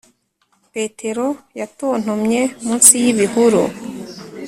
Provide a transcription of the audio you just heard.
petero yatontomye munsi y'ibihuru.